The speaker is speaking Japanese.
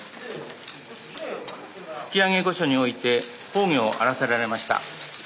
吹上御所において崩御あらせられました。